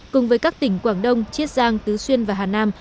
cùng với các tỉnh quảng đông chiết giang tứ xuyên và hà nam